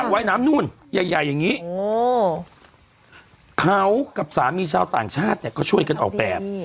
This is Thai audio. ใหญ่อย่างนี้เขากับสามีชาวต่างชาติเนี่ยก็ช่วยกันออกแบบ